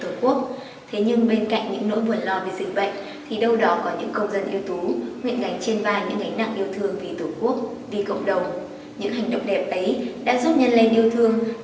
những hành động đẹp ấy đã giúp nhân lệ yêu thương thiết thêm niềm tin và sức mạnh cho cộng đồng trong bão tác dịch bệnh